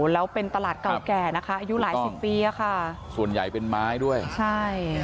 แล้วเป็นตลาดเก่าแก่นะคะอายุหลายสิบปีอ่ะค่ะส่วนใหญ่เป็นไม้ด้วยใช่